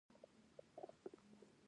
هولسینګر د ورجینیا پوهنتون استاد دی.